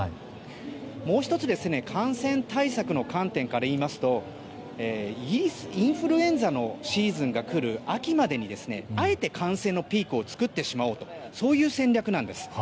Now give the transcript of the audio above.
もう１つ、感染対策の観点から言いますとインフルエンザのシーズンが来る秋までにあえて感染のピークを作ってしまおうという戦略なんです。